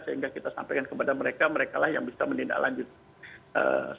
sehingga kita sampaikan kepada mereka mereka yang bisa menindaklanjutin